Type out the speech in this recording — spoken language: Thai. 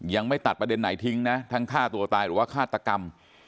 ยังไม่ตัดประเด็นไหนทิ้งนะทั้งฆ่าตัวตายหรือว่าฆาตกรรม